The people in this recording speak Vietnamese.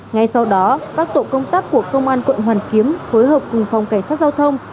ngay sau đó các tổ công tác của công an quận hoàn kiếm phối hợp cùng phòng cảnh sát giao thông